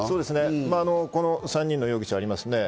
３人の容疑者がおりますね。